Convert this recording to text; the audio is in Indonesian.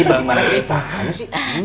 ini bagaimana ceritanya sih